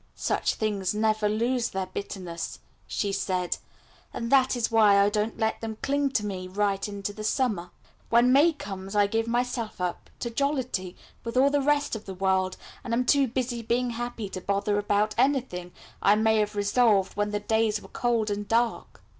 "Such things never lose their bitterness," she said, "and that is why I don't let them cling to me right into the summer. When May comes, I give myself up to jollity with all the rest of the world, and am too busy being happy to bother about anything I may have resolved when the days were cold and dark."